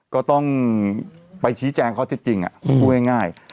ก็ต้องไปชี้แจงเขาที่จริงอะพูดง่าย